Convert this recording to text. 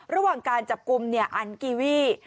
ระหว่างการจับกลุ่มเนี่ยอันกีวี่